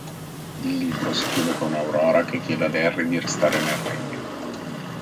Il libro si chiude con Aurora che chiede ad Henry di restare nel Regno.